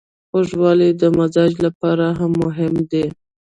خوږوالی د مزاج لپاره هم مهم دی.